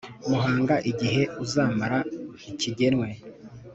Muhanga Igihe uzamara ntikigenwe